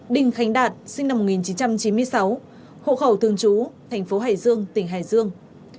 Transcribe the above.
đình khánh đạt sinh năm một nghìn chín trăm chín mươi sáu hộ khẩu thường chú tp hải dương tỉnh hải dương